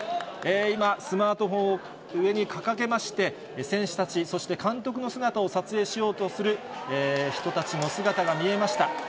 今、スマートフォンを上に掲げまして、選手たち、そして監督の姿を撮影しようとする人たちの姿が見えました。